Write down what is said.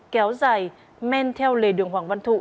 kéo dài men theo lề đường hoàng văn thụ